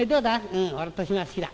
「うん俺年増好きだ。